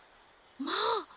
まあ！